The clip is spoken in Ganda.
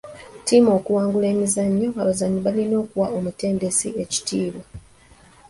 Ttiimu okuwangula emizannyo, abazannyi balina okuwa omutendesi ekitiibwa.